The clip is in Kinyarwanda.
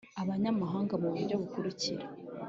Abanyamahanga mu buryo bukurikira